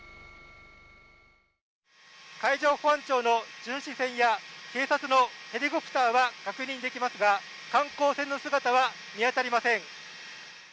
海上保安庁の巡視船や、警察のヘリコプターは確認できますが、観光船の姿は見当たりません。